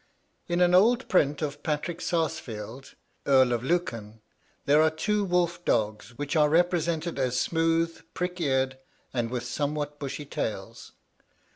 In an old print of Patrick Sarsfield, Earl of Lucan, there are two wolf dogs, which are represented as smooth, prick eared, and with somewhat bushy tails.